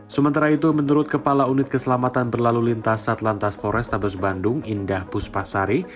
sementara itu menurut kepala unit keselamatan berlalu lintas satlantas pores tabes bandung indah puspasari